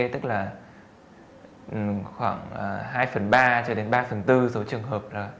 tức là khoảng hai phần ba cho đến ba phần bốn số trường hợp là